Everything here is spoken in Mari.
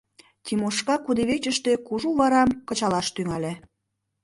Тимошка кудывечыште кужу варам кычалаш тӱҥале.